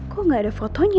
kok gak ada fotonya